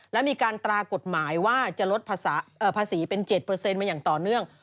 และมีการตรากฎหมายว่าจะลดภาษีเป็น๗มาอย่างต่อเนื่อง